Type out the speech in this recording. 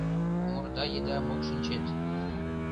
Мурда еда мокшинчет: